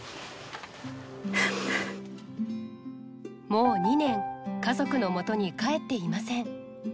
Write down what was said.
もう２年家族のもとに帰っていません。